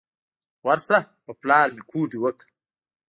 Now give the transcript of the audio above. ورشه په پلار مې کوډې وکړه.